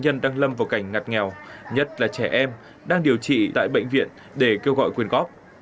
nhân đang lâm vào cảnh ngặt nghèo nhất là trẻ em đang điều trị tại bệnh viện để kêu gọi quyên góp